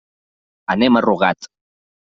Anem a Rugat.